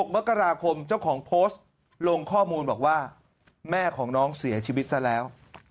มกราคมเจ้าของโพสต์ลงข้อมูลบอกว่าแม่ของน้องเสียชีวิตซะแล้ว